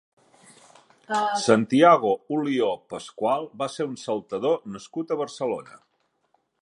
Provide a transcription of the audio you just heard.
Santiago Ulió Pascual va ser un saltador nascut a Barcelona.